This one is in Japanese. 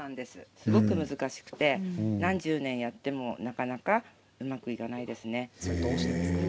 すごく難しくて何十年やってもなかなかうまくいかないですね。